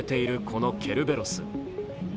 このケルベロス。